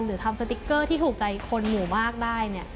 ทำสติ๊กเกอร์ที่ถูกใจคนหมู่มากได้